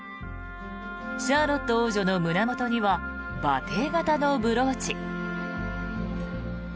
シャーロット王女の胸元には馬蹄形のブローチ。